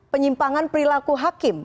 penyimpangan perilaku hakim